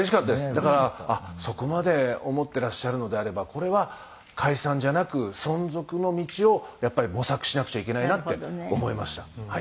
だからあっそこまで思ってらっしゃるのであればこれは解散じゃなく存続の道をやっぱり模索しなくちゃいけないなって思いましたはい。